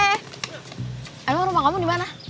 eh emang rumah kamu dimana